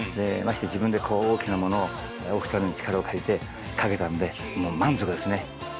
自分で大きな物をお二人の力を借りて書けたんでもう満足ですね。